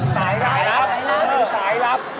อ๋อสายลับสายน้ำเป็นสายลับ